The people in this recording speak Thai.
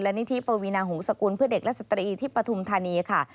นิธิปวีนาหงษกุลเพื่อเด็กและสตรีที่ปฐุมธานีค่ะ